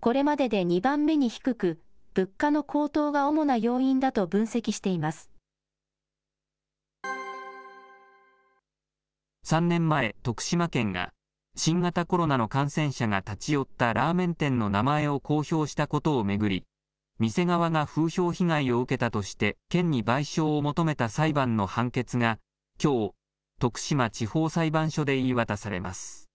これまでで２番目に低く、物価の高騰が主な要因だと分析していま３年前、徳島県が、新型コロナの感染者が立ち寄ったラーメン店の名前を公表したことを巡り、店側が風評被害を受けたとして、県に賠償を求めた裁判の判決が、きょう、徳島地方裁判所で言い渡されます。